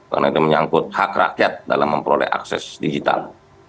karena ini menyangkut hak rakyat dalam memperoleh akses digital